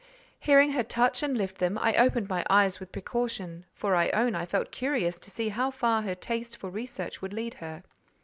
Hearing her touch and lift them, I opened my eyes with precaution, for I own I felt curious to see how far her taste for research would lead her.